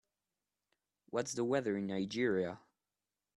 What's the weather in Nigeria?